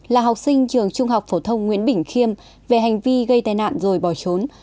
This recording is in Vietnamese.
là học sinh trường trung học phổ thông nguyễn bình khiêm về hành vi gây tai nạn rồi bỏ trốn